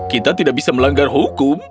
kita tidak bisa melanggar hukum